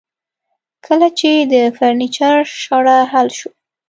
کله چې د فرنیچر شخړه حل شوه